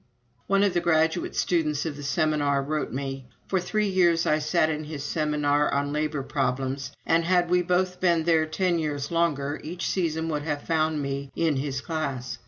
One of the graduate students of the seminar wrote me: "For three years I sat in his seminar on Labor Problems, and had we both been there ten years longer, each season would have found me in his class.